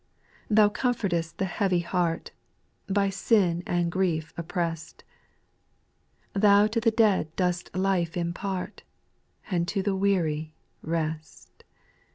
2. Thou comfortest the heavy heart, By sin and grief oppressed ; Thou to the dead dost life impart, And to the weary rest.